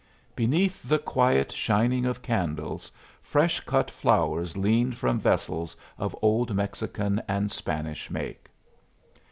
Beneath the quiet shining of candles, fresh cut flowers leaned from vessels of old Mexican and Spanish make.